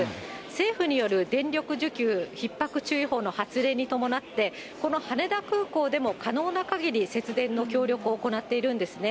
政府による電力需給ひっ迫注意報の発令に伴って、この羽田空港でも可能なかぎり節電の協力を行っているんですね。